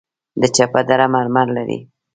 د چپه دره مرمر لري